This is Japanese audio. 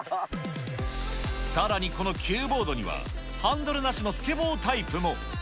さらにこのキューボードには、ハンドルなしのスケボータイプも。